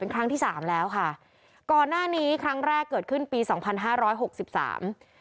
ครั้งที่สามแล้วค่ะก่อนหน้านี้ครั้งแรกเกิดขึ้นปีสองพันห้าร้อยหกสิบสาม